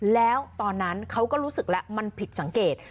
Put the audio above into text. แล้วตอนนั้นเขาก็รู้สึกแล้วมันผิดสังเกต